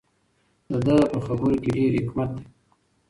د ده په خبرو کې ډېر حکمت دی.